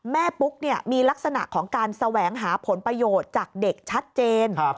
ปุ๊กมีลักษณะของการแสวงหาผลประโยชน์จากเด็กชัดเจน